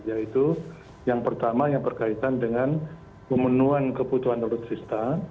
yaitu yang pertama yang berkaitan dengan pemenuhan kebutuhan alutsista